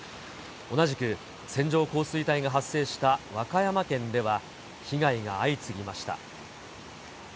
同じく線状降水帯が発生した和歌山県では、被害が相次ぎました。